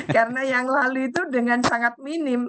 karena yang lalu itu dengan sangat minim